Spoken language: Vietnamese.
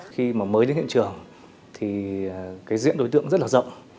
khi mà mới đến hiện trường thì cái diễn đối tượng rất là rộng